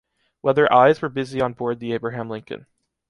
whether eyes were busy on board the Abraham Lincoln.